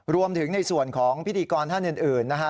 รวมถึงในส่วนของพิธีกรท่านอื่นนะฮะ